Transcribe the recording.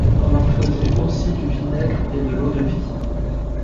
On en faisait aussi du vinaigre et de l'eau de vie.